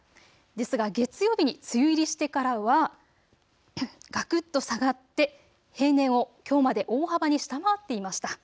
ですが月曜日に梅雨入りしてからは、がくっと下がって平年をきょうまで大幅に下回っていました。